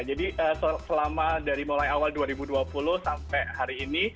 jadi selama dari mulai awal dua ribu dua puluh sampai hari ini